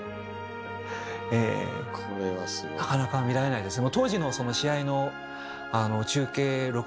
ええなかなか見られないですね。